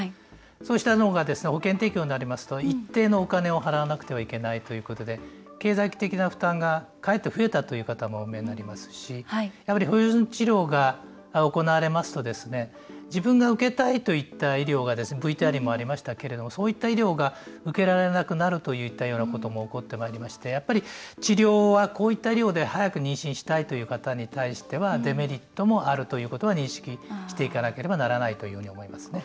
そうしたのが保険適用になりますと一定のお金を払わなくてはいけないということで経済的な負担がかえって増えたという方もお見えになりますしやはり標準治療が行われますと自分が受けたいといった医療がＶＴＲにもありましたけれどもそういった医療が受けられなくなるといったようなことも起こってまいりましてやっぱり治療はこういった医療で早く妊娠したいという方に対してはデメリットもあるということは認識していかなければならないというふうに思いますね。